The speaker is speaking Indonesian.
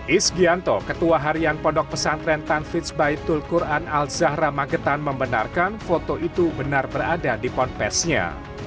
isgianto ketua harian pondok pesantren tanfitz baitul quran al zahra magetan membenarkan foto itu benar berada di ponpesnya